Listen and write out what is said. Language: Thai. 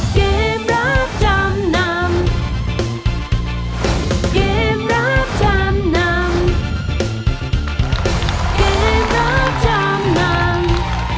เกมรับจำนำ